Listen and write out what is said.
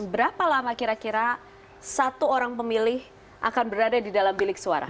berapa lama kira kira satu orang pemilih akan berada di dalam bilik suara